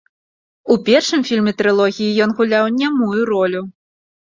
У першым фільме трылогіі ён гуляў нямую ролю.